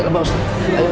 ya baiklah bu